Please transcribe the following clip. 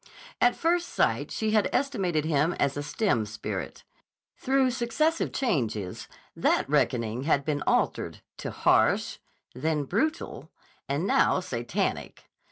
At first sight she had estimated him as a stern spirit. Through successive changes that reckoning had been altered to "harsh," then "brutal," and now "Satanic."